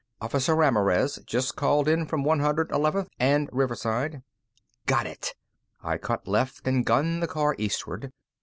Officer Ramirez just called in from 111th and Riverside." "Got it!" I cut left and gunned the car eastward.